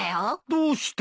どうして？